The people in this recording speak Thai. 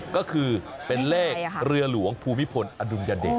ก็คือเป็นเลขเรือหลวงภูมิพลอดุลยเดช